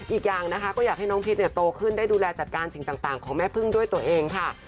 อีกอย่างนะคะก็อยากให้น้องพิษโตขึ้นได้ดูแลจัดการสิ่งต่างของแม่พึ่งด้วยตัวเองค่ะ